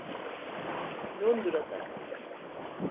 Londra'da.